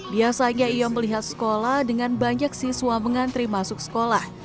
biasanya ia melihat sekolah dengan banyak siswa mengantri masuk sekolah